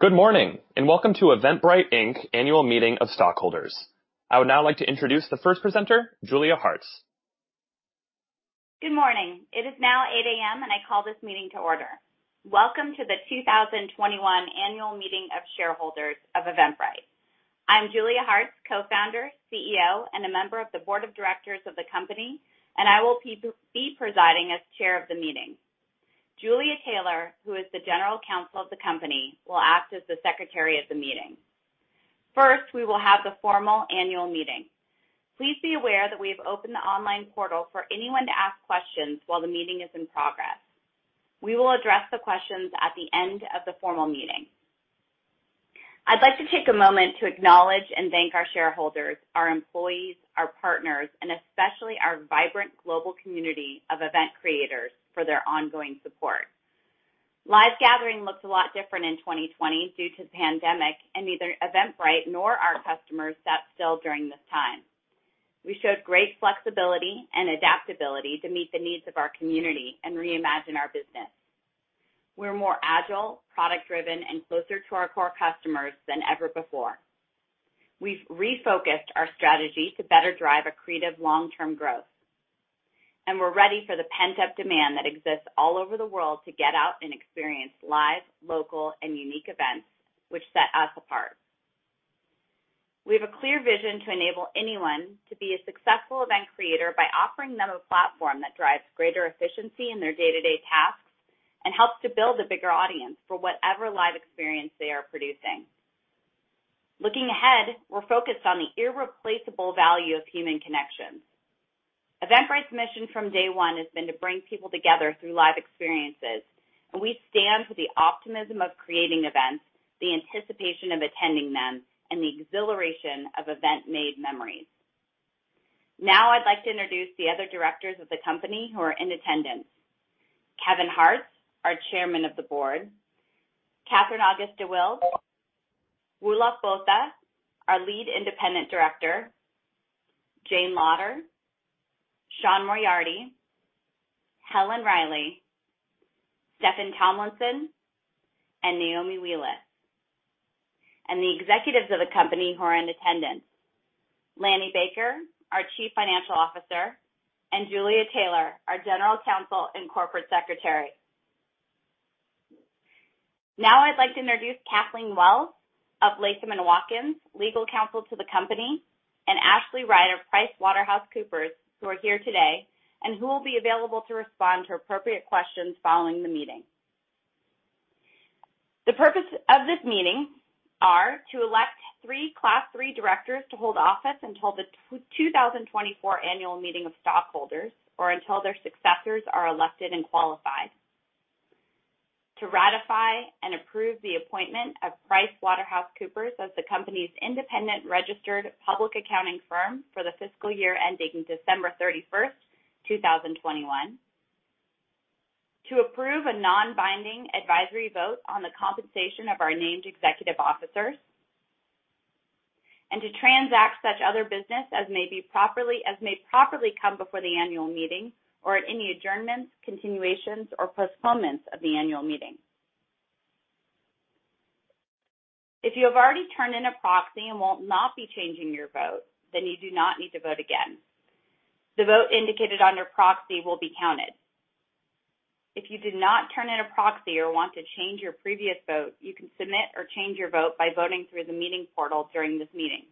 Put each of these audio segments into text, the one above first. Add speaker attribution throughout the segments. Speaker 1: Good morning, and welcome to Eventbrite, Inc.'s annual meeting of stockholders. I would now like to introduce the first presenter, Julia Hartz.
Speaker 2: Good morning. It is now 8:00 A.M., and I call this meeting to order. Welcome to the 2021 annual meeting of shareholders of Eventbrite. I'm Julia Hartz, co-founder, CEO, and a member of the Board of Directors of the company, and I will be presiding as chair of the meeting. Julia Taylor, who is the General Counsel of the company, will act as the secretary of the meeting. First, we will have the formal annual meeting. Please be aware that we have opened the online portal for anyone to ask questions while the meeting is in progress. We will address the questions at the end of the formal meeting. I'd like to take a moment to acknowledge and thank our shareholders, our employees, our partners, and especially our vibrant global community of event creators for their ongoing support. Live gathering looked a lot different in 2020 due to the pandemic, and neither Eventbrite nor our customers sat still during this time. We showed great flexibility and adaptability to meet the needs of our community and reimagine our business. We're more agile, product-driven, and closer to our core customers than ever before. We've refocused our strategy to better drive accretive long-term growth, and we're ready for the pent-up demand that exists all over the world to get out and experience live, local, and unique events, which set us apart. We have a clear vision to enable anyone to be a successful event creator by offering them a platform that drives greater efficiency in their day-to-day tasks and helps to build a bigger audience for whatever live experience they are producing. Looking ahead, we're focused on the irreplaceable value of human connections. Eventbrite's mission from day one has been to bring people together through live experiences, and we stand with the optimism of creating events, the anticipation of attending them, and the exhilaration of event-made memories. Now, I'd like to introduce the other directors of the company who are in attendance: Kevin Hartz, our Chairman of the Board; Katherine August-deWilde; Roelof Botha, our Lead Independent Director; Jane Lauder; Sean Moriarty; Helen Riley; Steffan Tomlinson; and Naomi Wheeless. And the executives of the company who are in attendance: Lanny Baker, our Chief Financial Officer; and Julia Taylor, our General Counsel and Corporate Secretary. Now, I'd like to introduce Kathleen Wells of Latham & Watkins, legal counsel to the company, and Ashley Wright of PricewaterhouseCoopers, who are here today and who will be available to respond to appropriate questions following the meeting. The purpose of this meeting is to elect three Class III directors to hold office until the 2024 annual meeting of stockholders or until their successors are elected and qualified, to ratify and approve the appointment of PricewaterhouseCoopers as the company's independent registered public accounting firm for the fiscal year ending December 31, 2021, to approve a non-binding advisory vote on the compensation of our named executive officers, and to transact such other business as may properly come before the annual meeting or at any adjournments, continuations, or postponements of the annual meeting. If you have already turned in a proxy and will not be changing your vote, then you do not need to vote again. The vote indicated under proxy will be counted. If you did not turn in a proxy or want to change your previous vote, you can submit or change your vote by voting through the meeting portal during this meeting.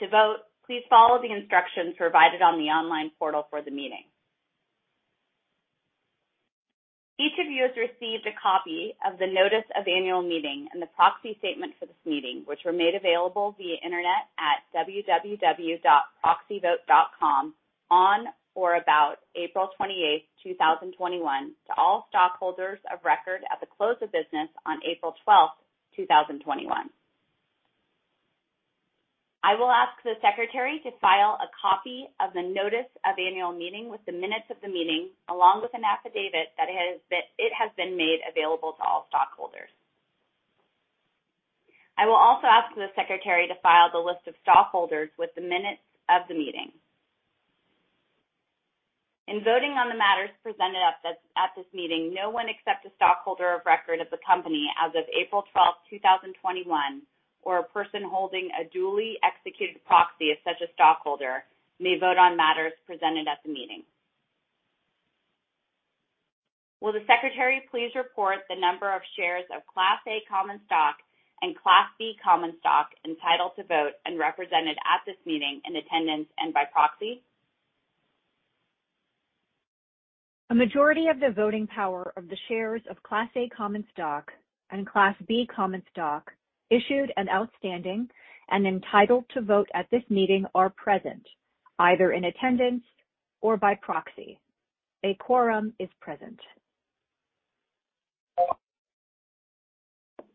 Speaker 2: To vote, please follow the instructions provided on the online portal for the meeting. Each of you has received a copy of the notice of annual meeting and the proxy statement for this meeting, which were made available via internet at www.proxyvote.com on or about April 28, 2021, to all stockholders of record at the close of business on April 12, 2021. I will ask the secretary to file a copy of the notice of annual meeting with the minutes of the meeting, along with an affidavit that it has been made available to all stockholders. I will also ask the secretary to file the list of stockholders with the minutes of the meeting. In voting on the matters presented at this meeting, no one except a stockholder of record of the company as of April 12, 2021, or a person holding a duly executed proxy of such a stockholder may vote on matters presented at the meeting. Will the secretary please report the number of shares of Class A common stock and Class B common stock entitled to vote and represented at this meeting in attendance and by proxy?
Speaker 3: A majority of the voting power of the shares of Class A common stock and Class B common stock issued and outstanding and entitled to vote at this meeting are present, either in attendance or by proxy. A quorum is present.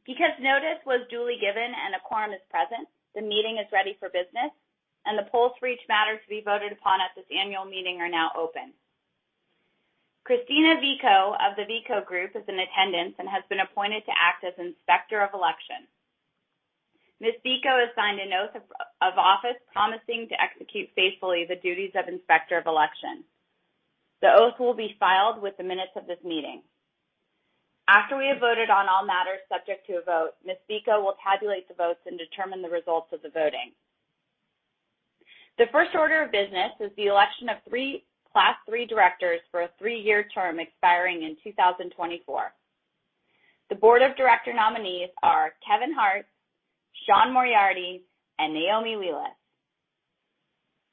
Speaker 2: Because notice was duly given and a quorum is present, the meeting is ready for business, and the polls for each matter to be voted upon at this annual meeting are now open. Kristina Veaco of the Veaco Group is in attendance and has been appointed to act as Inspector of Election. Ms. Veaco has signed a note of office promising to execute faithfully the duties of Inspector of Election. The oath will be filed with the minutes of this meeting. After we have voted on all matters subject to a vote, Ms. Veaco will tabulate the votes and determine the results of the voting. The first order of business is the election of three Class III directors for a three-year term expiring in 2024. The Board of Directors nominees are Kevin Hartz, Sean Moriarty, and Naomi Wheeless.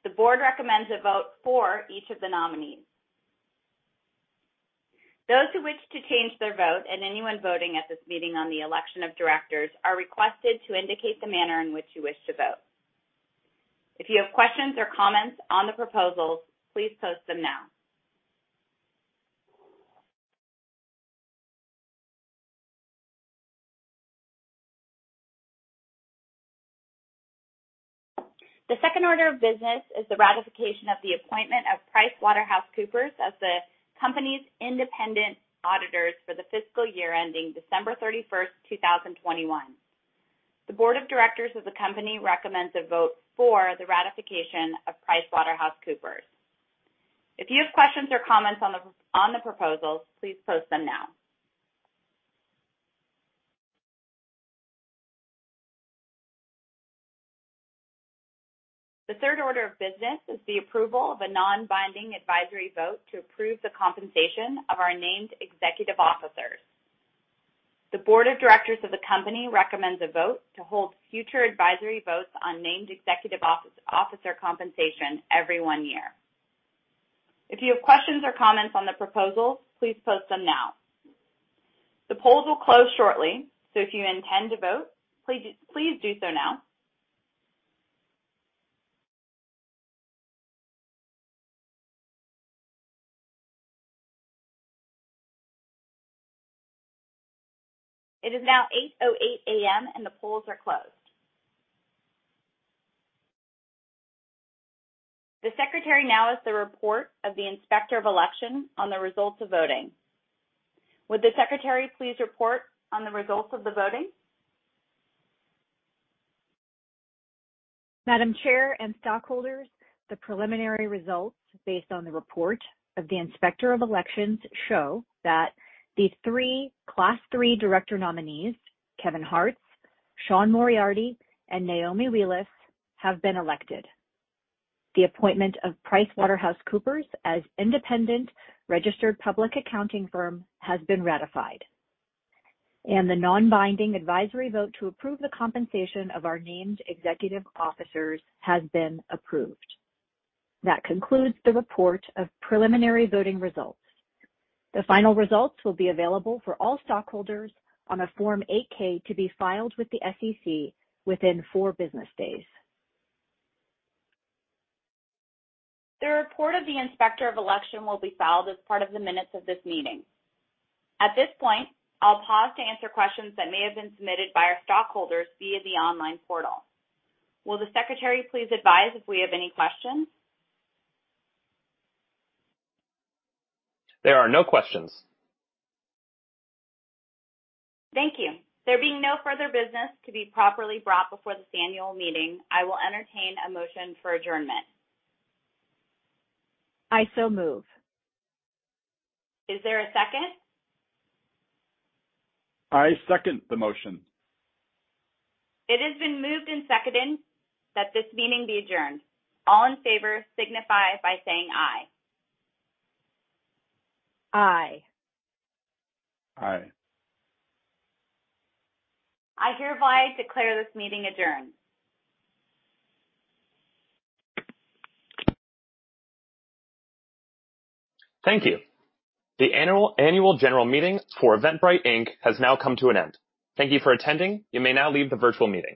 Speaker 2: The Board recommends a vote for each of the nominees. Those who wish to change their vote and anyone voting at this meeting on the election of directors are requested to indicate the manner in which you wish to vote. If you have questions or comments on the proposals, please post them now. The second order of business is the ratification of the appointment of PricewaterhouseCoopers as the company's independent auditors for the fiscal year ending December 31, 2021. The Board of Directors of the company recommends a vote for the ratification of PricewaterhouseCoopers. If you have questions or comments on the proposals, please post them now. The third order of business is the approval of a non-binding advisory vote to approve the compensation of our named executive officers. The Board of Directors of the company recommends a vote to hold future advisory votes on named executive officer compensation every one year. If you have questions or comments on the proposals, please post them now. The polls will close shortly, so if you intend to vote, please do so now. It is now 8:08 A.M., and the polls are closed. The secretary now has the report of the Inspector of Election on the results of voting. Would the secretary please report on the results of the voting?
Speaker 3: Madam Chair and stockholders, the preliminary results based on the report of the Inspector of Elections show that the three Class III director nominees, Kevin Hartz, Sean Moriarty, and Naomi Wheeless, have been elected. The appointment of PricewaterhouseCoopers as independent registered public accounting firm has been ratified, and the non-binding advisory vote to approve the compensation of our named executive officers has been approved. That concludes the report of preliminary voting results. The final results will be available for all stockholders on a Form 8-K to be filed with the SEC within four business days.
Speaker 2: The report of the Inspector of Election will be filed as part of the minutes of this meeting. At this point, I'll pause to answer questions that may have been submitted by our stockholders via the online portal. Will the secretary please advise if we have any questions?
Speaker 1: There are no questions.
Speaker 2: Thank you. There being no further business to be properly brought before this annual meeting, I will entertain a motion for adjournment.
Speaker 3: I so move.
Speaker 2: Is there a second?
Speaker 4: I second the motion.
Speaker 2: It has been moved and seconded that this meeting be adjourned. All in favor signify by saying aye.
Speaker 3: Aye.
Speaker 4: Aye.
Speaker 2: I hereby declare this meeting adjourned.
Speaker 1: Thank you. The annual general meeting for Eventbrite, Inc. has now come to an end. Thank you for attending. You may now leave the virtual meeting.